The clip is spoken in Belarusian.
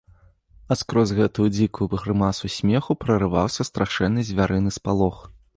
А скрозь гэтую дзікую грымасу смеху прарываўся страшэнны звярыны спалох.